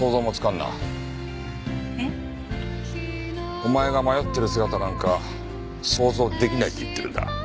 お前が迷ってる姿なんか想像出来ないって言ってるんだ。